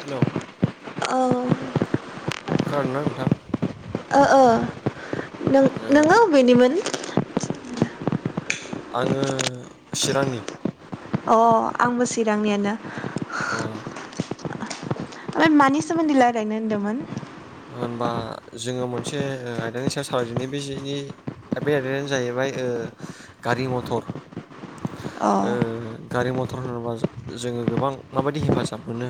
हेल'। औ। खोनादोंना नोंथां? ओ ओ ओ नोंङो अबेनिमोन? आंङो चिरांनि। अ आंबो चिरांनियानो। ओम। ओमफ्राय मानि सोमोन्दै रायजायनो होनदोंमोन? होनबा जोंङो मोनसे आयदानि सायाव सालायजेननि बेजेनि दा बे आयदायानो जाहैबाय ओ गारि मथर। अ ओ गारि मथर होनोब्ला जोंङो गोबां माबायदि हेफाजाब मोनो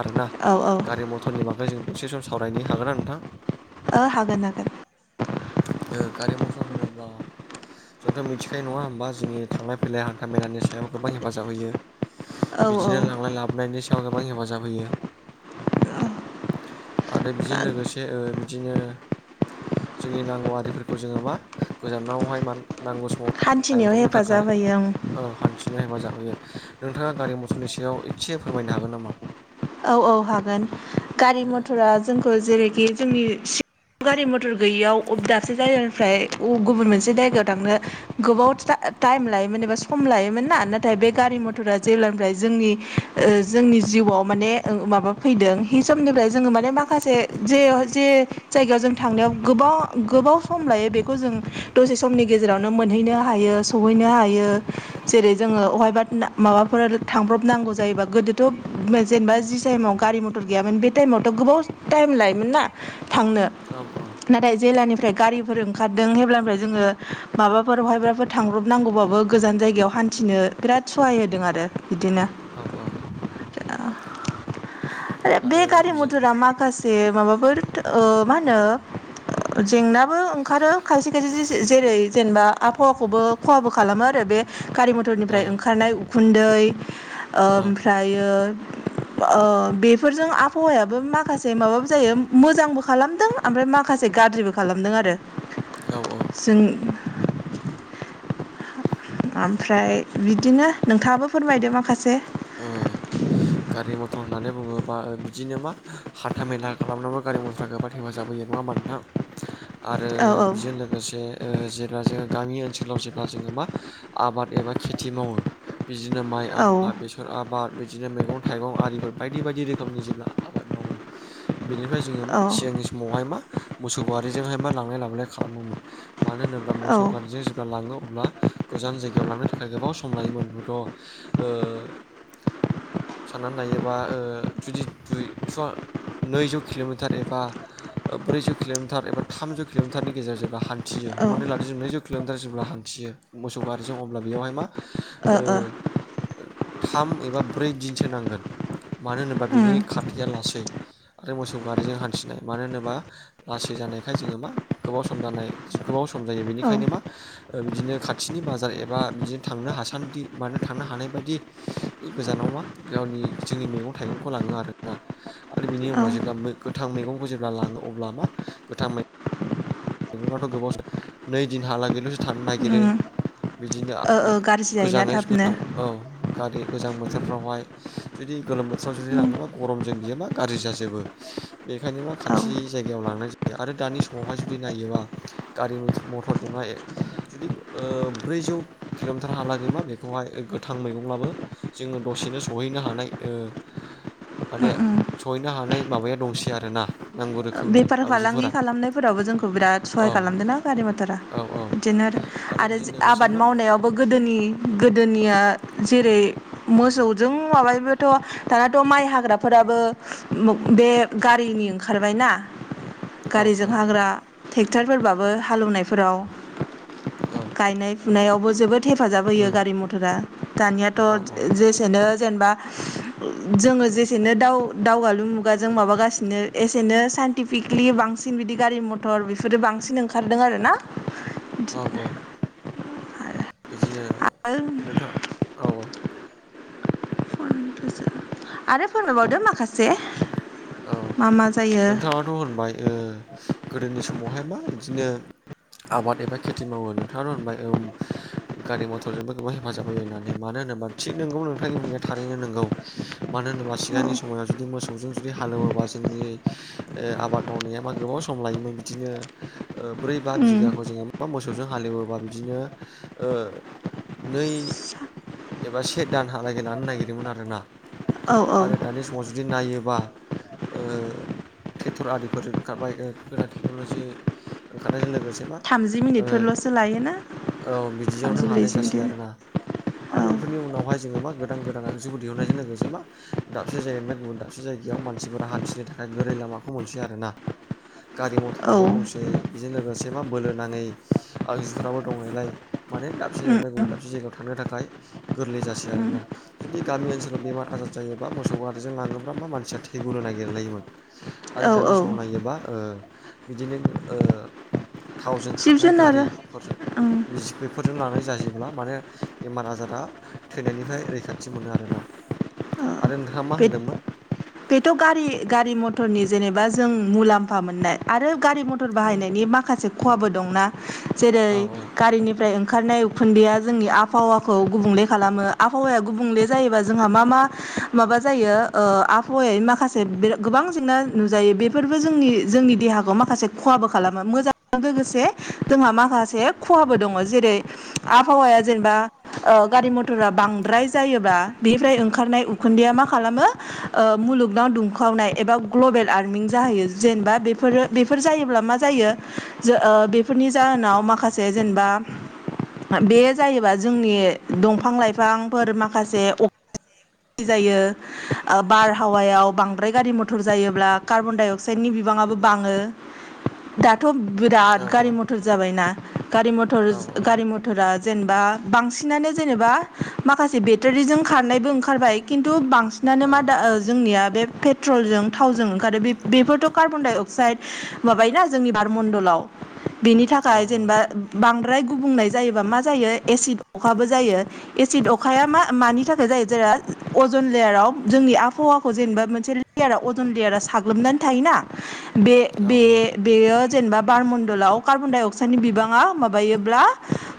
आरोना औ गारि मथरनि बागै जों दसे सम सावरायनो हागोना नोंथां? ओ हागोन हागोन। गारि मथर होनोबा जोंथ' मिथिखायो नंङा होमबा जोंनि थांलाय फैलाय हान्था मेलानि सायाव गोबां हेफाजाब होयो। औ औ बिदिनो लांलाय लाबनायनि याव गोबां हेफाजाब होयो। आरो बेजों लोगोसे ओ बिदिनो जोंनि नांगौ आरिफोरखौ जोंङो मा गोजानावहाय मा नांगौ समाव हान्थिनायाव लायब्रबनो थाखाय हेफाजाब होयो ओं ओ हान्थिनाय हेफाजाब यो नोंथाङा गारि मथरनि सायाव एसे फोरमायनो हागोन नामा? औ औ हागोन गारि मथरा जोंखौ जेरैखि जोंनि गारि मथर गैयियाव दाबसे जायगानिफ्राय गुबुन मोनसे जायगायाव थांनो गोबाव टाइम लायोमोन एबा सम लायोमोन ना नाथाय बे गारि मथरा जेब्लानिफ्राय जोंनि जोंनि जिउआव माने माबा फैदों हि समनिफ्राय जोंङो माने माखासे जे जे जायगायाव जों थांनायाव गोबाव गोबाव सम लायो बेखौ जों दसे समनि गेजेरावनो मोनहैनो हायो सहैनो हा यो जेरै जों बबहायबा माबाफोर थांब्रबनांगौ जायोबा गोदोथ' जेनेबा जि टाइमाव गारि मथर गैयामोन बे टाइमावथ' गोबाव टाइम लायोमोन ना। थांनो औ औ नाथाय जिलानो ओमफ्राय गारिफोर ओंखारदों हेब्लानो जोंङो माबाफोरावहायबा फोर थांब्रबनांगौबाबो गोजान जायगायाव हान्थिनो बिराद सहाय होदों आरो। बिदिनो औ औ आरो बे गारि मथरा माखासे माबाफोर ओ मा होनो [inaudible] जेंनाबो ओंखारो खायसे खायसे जेरै जेनेबा आबहावाखौबो खहाबो खालामो आरो बे गारि औ मथरनिफ्राय ओंखारनाय उखुन्दै औ ओमफ्रायो [inaudible] ओ बेफोरजों आबहावायाबो माखासे माबाबो जायो मोजांबो खालामदों ओमफ्राय माखासे गाज्रिबो खालामदों आरो औ औ जों ओमफ्राय बिदिनो नोंथाङाबो फोरमायदो माखासे ओ गारि मथर होननानै बुंङोबा बिदिनो मा हान्था मेला खालामनोबो गारि मथर गोबां हेफाजाजाब होयो। नंङा होनबा नोंथां आरो औ बेजों लोगोसे ओ जेब्ला जोंङो गामि ओनसोलाव जेब्ला जोंङो मा आबाद एबा खेथि मावो बिदिनो माइ औ आबाद बेस फोर आबाद बिदिनो मैगं थाइगं आरिफोर बायदि बायदि रोखोमनि जेब्ला आबाद मावो। बेनिफ्राय जोंङो मा औ सिगांनि समावहाय मा मोसौ गारिजोंहाय मा लांलाय लाबोलाय खालामोमोन। मानो होनोब्ला औ ओ मोसौ गारिजों जेब्ला लांङो अब्ला गोजान जायगायाव लांनो थाखाय गोबाव सम लायोमोन हयथ' ओ साननानै लायोबा ओ जुदि दुइ थुवा नैजौ किल'मिटार एबा ब्रैजौ किल'मिटार एबा थामजौ किल'मिटारनि गेजेरजोंब्ला हान न्थियो ओ हमनानै लादि जोबनैजौ किल'मिटार जेब्ला हान्थियो मोसौ गारिजों अब्ला बेयावहाय मा ओ थाम एबा ब्रै दिनसो नांगोन। मानो होनोबा बिनि उम खारथाया लासै आरो मोसौ गारिजों हान्थिनाय मानो होनोबा लासै जानायखाय जोङो मा गोबाव सम जानाय गोबाव सम सम जायो औ बेनिखायनो मा बिदिनो खाथिनि बाजार एबा बिदिनो थांनो हासान्दि मानो थांनो हानाय बायदि गोजानाव मा गावनि जोंनि मैगं थाइगंखौ लाङो आरो ना। आरो बिनि औ उनाव जेब्ला मो गोथां मैगंखौ जेब्ला लाङो अब्ला मा गोथां मै -ङाथ' गोबाव नै दिनहालागैल'सो थानो नागिरो। उम बिदिनो ओ ओ गाज्रि जायोना गोजाङै थाबनो औ औ गारि गोजां बोथोरफ्रावहाय जुदि गोलोम बोथोराव जुदि उम लाङोबा गरमजों बियो मा गाज्रि जाजोबो। बेखायनो मा औ खाथि जायगायाव लांनाय जायो आरो दानि समावहाय जुदि नायोबा। गारि मथरजोंहाय जुदि ओ ब्रैजौ किल'मिटार हालागैमा बेखौहाय गोथां मैगंब्लाबो जोङो दसेनो सहैनो हानाय ओ। माने सहैनो हानाय माबाया दंसै आरोना। नांगौ रोखोमनि बेफार फालांगि आगजुफोरा खालामनायफोराव जोंखौ बिराद सहाय औ खालामदोंना गारि मथरा औ औ बिदिनो आरो बेजों लोगोसे आबाद मा मावनायावबो गोदो गोदोनि गोदोनिया जेरै मोसौजों माबायाबथ' दानाथ' माइ हाग्राफोराबो बे गारिनि ओंखारबाय ना औ गारिजों औ हाग्रा ट्रेक्टरफोरबाबो हालेवनायफोराव औ गायनाय फुनायावबो जोबोद। हेफाजाब होयो उम गारि मथरा दानियाथ' औ औ जेसेनो जेनेबा जोङो जेसेनो दाव दावगालु मुगा जों माबागासिनो एसेनो सान -इनटिफिकेलि बांसिन बिदि गारि मथर बेफोरो बांसिन ओंखारदों आरो ना। औ औ बिदिनो आरो नोंथाङा औ औ। आरो फोरमायबावदो माखासे औ मा मा जायो नोंथाङाथ' होनबाय ओ गोदोनि समावहाय मा बिदिनो आबाद एबा खेथि मावो नोंथाङाथ' होनबाय गारि मथरजोंबो गोबां हेफाजाब होयो होननानै मानो होनोबा थिग नोंगौ नोंथांनि बुंनाया थारैनो नोंगौ मानो होनोबा औ सिगांनि समाव जुदि मोसौजों जु जुदि हालेवोबा जोंनि ओ आबाद मावनाया मा गोबाव सम लायोमोन बिदिनो ब्रै बा उम बिघाखौ जोङो मोसौजों हालेवोबा बिदिनो ओ नै एबा से दान हालागि लानो नागिरोमोन आरोना औ औ आरो दानि समाव जुदि नायोबा [unintelligible] ओ ट्रेक्टर आदिफोर ओंखारबाय गोदान टेक्न'लजि ओंखारनायजों लोगो -से मा थामजि ओ मिनिटफोरल'सो लायोना औ बिदियावनो थामजि हानाय ब्रैजि जासै आरोना। मिनिट आरो औ बेफोरनि उनावहाय जोङो मा गोदान गोदान जिउ दिहुननायजों लोगोसे मा दाबसे जायगानिफ्राय गुबुन दाबसे जायगा बेयाव मानसिफोरा हान्थिनो थाखाय गोरै लामाखौ मोनसै आरो ना गारि औ मथराबो दंसै। बेजों लोगोसे मा बोलो नाङै आगजुफोराबों दङनायलाय माने दाबसे उम जायगानि गुबुन दाबसे जायगायाव थानो थाखाय गोरलै जासै आरो ना जुदि गामि ओनसोलाव बेमार आजार जायोबा मोसौ गाज्रिजों लाङोब्ला मा मानसिया थैगुनो नागिरलायोमोन। औ आरो दानि समाव नायोबा बिदिनो ओ थावजों जिब खारनाय जुनार गारिफोरजों ओं बेफोरजों लानाय जायोब्ला माने बेमार आजारा थैनायनिफ्राय रैखाथि मोनो आरोना जा आरो नोंथाङा मा बे होनदोंमोन? बेथ' गारि गारि मथरनि जेनेबा जों मुलाम्फा मोननाय आरो। गारि मथर औ बाहायनायनि माखासे खहाबो दंना जेरै औ गारिनिफ्राय ओं खारनाय उखुन्दैआ जोंनि आबहावाखौ गुबुंले खालामो आबहावाया गुबुंले जायोबा जोंहा मा मा माबा जायो ओ आबहावा माखासे बे गोबां जेंना नुजायो बेफोरबो जोंनि जोंनि दे हाखौ माखासे खहाबो खालामो मोजांजों लोगोसे जोंहा माखासे खहाबो दङ जेरै आबहावाया जेनेबा ओ गारि मटरा बांद्राय जायोब्ला बेनिफ्राय ओंखारनाय उ खुन्दैया मा खालामो मुलुगनाव दुंखावनाय एबा ग्लबेल वारमिं जाहैयो जेनेबा बे फोरो बेफोर जायोब्ला मा जायो जो ओ बेफोरनि जाहोनाव माखासे जेनेबा बे जायोबा जोंनि दंफां लाइफांफोर माखासे [unintelligible] जायो ओ बारहावायाव बांद्राय गारि मटर जायोब्ला कार्बन डाइ अक्साइडनि बि बाङाबो बाङो थ' औ बिराद गारि मटर जाबायना गारि मटर औ औ गारि मटरा जेनेबा बांसिनानो जेनेबा माखासे बेटारिजों खारनायबो ओंखारबाय खिन्थु बां सिनानो माा जोंनिया बे पेट्रलजों थावजों ओंखारो बे-बेफोरथ' कार्बन डाइ अक्साइड माबायोना जोंनि बारमण्डलाव बेनि औ थाखाय औ जेनेबा बांद्राय गुबुंनाय जायोबा मा जायो एसिड अखाबो जायो एसिड अखाया मा मानि थाखाय जायो जेरै अजन लेयाराव जोंनि आबहावाखौ जेनेबा मोनसे लेयारा अजन लेयारा साग्लोबनानै थायोना‌ औ ओ बे-बे बेयो जेनेबा बारम ण्डलाव कार्बनडाइ अक्साइडनि बिबाङा माबायोब्ला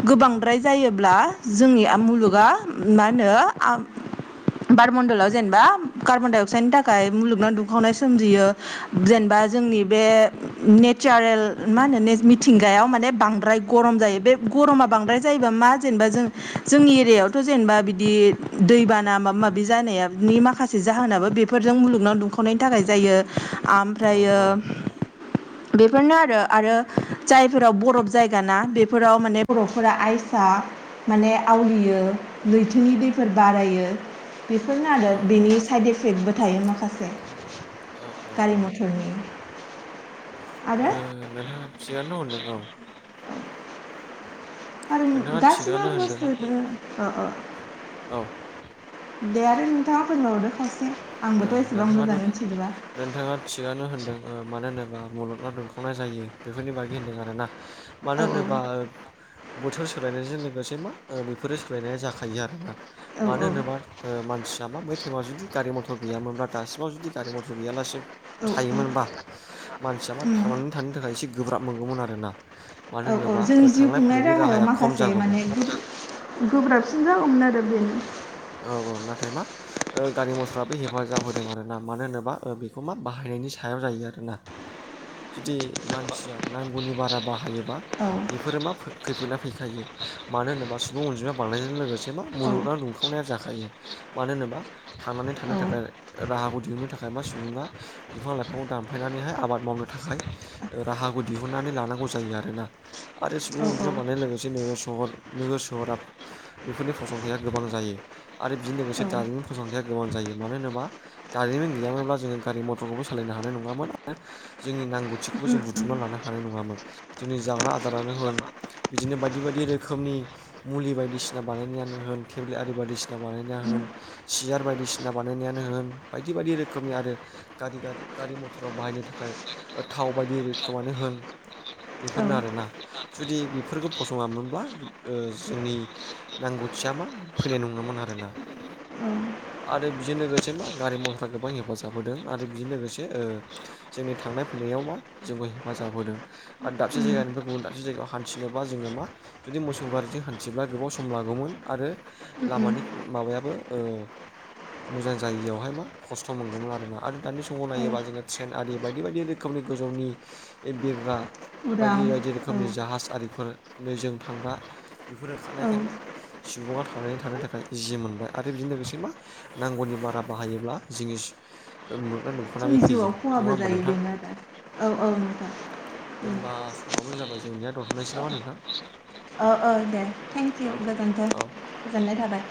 गोबांद्राय जायोब्ला जोंनि मुलुगा मा होनो बारमणडलाव जेनेबा कार्बन डाइ अक्साइडनि थाखाय मुलुगनां दुंखावनाय सोमजियो जेनेबा जोंनि बे नेसारेल मा होनो ने मिथिंगाआयाव बांद्राय गरम जायो बे गरमा बांद्राय जायोब्ला मा जेनेबा जों जोंनि एरियायावथ' जेनेबा बिदि दैबाना मा माबि जानायाबनि माखासे जाहोनाबो बेफोरजों मुलुगनाव दुंखावनायनि थाखाय जायो आमफ्रायो [inaudible] बेफोरनो आरो आरो जायफोराव बरफ जायगा ना बेफोराव माने बरफफोरा आइसा माने आवलियो लैथोनि दैफोर बारायो बेफोरनो आरो बिनि साइड इफेक्टबो थायो माखासे गारि मटरनि ओ नोंथां थिगानो दङ नोंगौ आरो गाैबो थिगानो होनदों बुस्थु अ औ ओ दे आरो नोंथाङा फोरमायहरदो खावसे ओ आंबोथ' एसेबां मोजां नोंथाङाथ' मिथिजोबा नोंथाङा थिगानो होनदों ओ मानो होनोबा मुलुगनां दुंखावनाय जायो बेफोरनि बागि होनदों आरोना मानो औ होनोबा बोथोर सोलायनायजों लोगोसे मा ओ बेफोरो सोलायनाय जाखायो आरोना औ मानो होनोबा ओ मानसिया मा बै टाइमाव जुदि गारि मटर गैयामोनबा दासि माव जुदि गारि मटर गैयालासिन औ थायोमोनबा मानसिया मा थांनानै थानो थाखाय एसे गोब्राब मोनगौमोन आरो औ औ जोंनि जिउ खुंनाय फैलायनि राहायाव राहाया खम माखासे जागौमोन माने गोब्राबसिन जागौमोन आरो बेदिनो औ औ नाथाय मा ओ गारि मटराबो हेफाजाब होदों आरो ना मानो होनोबा ओ बेखौ मा बाहाय नि सायाव जायो आरोना जुदि मानसिया नांगौनि बारा बाहायोबा औ बेफोरो मा खै-खैफोनना फैखायो मानो होनोबा सुबुं अनजिमाया बानायनायजों लोगोसे मा औ मुलुगना दुंखाव वनाया जाखायो मानो होनोबा थांनानै औ थानो थाखाय राहाखौ दिहुननो थाखाय मा सुबुङा बिफां लाइफांखौ दानफायनानैहाय आबाद मावनो थाखाय राहाखौ दिहुनन्नानै लानांगौ जायो आरोना आरो सुबुं औ अनजिमा बानायनाय लोगोसे नोगोर सहरा नोगोर सहरा बेफोरनि फसंथायाइा गोबां जायो आरो बिजों लोगोसे औ दारिमिन फसंथाया गोबां जायो मानो होनोबा दारिमिन गैयामोनब्ला जोङो गारि मटरखौ सालायनो हानाय नङामोन आरो जोंनि नांगौथिखौबो जों बुथुमनानै लानो हानाय नङामोन जोंनि जाग्रा आदारा बिदिनो बायदि बायदि रोखोमनि मुलि बायदिसिना बानायनायानो होन थेब्लेट आरि बादि बायदिसिना बानायनायानो होन सियार बायदिसिना बानायनायानो होन बायदि बायदि रोखोमनि आरो गारि गारि गारि मथराव बाहायनो थाखाय थाव बायदि रोखोमानो होन औ बेफोरनो आरोना जुदि बेफोरखौ फसङामोनब्ला ओ जोंनि नांगौ मिथिय मा फैनाय नङामोन आरोना उम आरो बेजों लोगोसे मा गारि मथरा गोबां हेफाजाब होदों आरो बेजों लोगोसे ओ जोंनि थांनाय फैनाय जोंखौ हेफाजाब होदों आरो दाबसे जायगानिफ्राय गुबुन दाबसे जायगायाव हान्थिनोब जोङो मा जुदि मोसौ गारिजों हान्थिब्ला गोबाव सम लागौमोन आरो उम उम लामानि माबायाबो ओ मोजां जायियावहाय मा खस्थ' मोनगौमोन आरोना आरो दानि समाव औ नायोबा जोङो ट्रेन आरि बायदि बायदि रोखोमनि गोजौनि बिरग्रा उदां बायदि बायदि औ रोखोमनि जाहाज आरिफोरनि जों थांग्रा बेफोर खारनायखाय मा सुबुङा थांनानै थानो थाखाय। इजि मोनबाय आरो बिजों लोगोसे मा नांगौनि बारा बाहायोब्ला जिनिस। जोंनि जिउआव खहाबो जायो बेनो आरो औ औ नोंथां होनबा समाबो जाबाय जोंनिया दनथ'नायसै नामा नोंथां। औ औ दे थेंक इउ औ गोजोन्थों औ गोजोननाय थाबाय